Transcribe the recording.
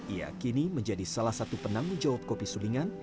ia kini menjadi salah satu penang menjawab kopi sulingan